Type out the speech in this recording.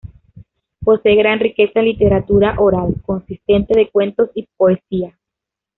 Posee gran riqueza en literatura oral, consistente de cuentos y poesía.